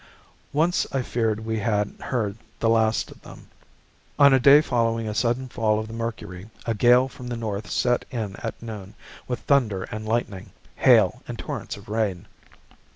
Once I feared we had heard the last of them. On a day following a sudden fall of the mercury, a gale from the north set in at noon, with thunder and lightning, hail, and torrents of rain.